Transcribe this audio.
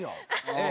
ええ。